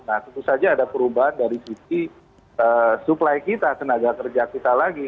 nah tentu saja ada perubahan dari sisi supply kita tenaga kerja kita lagi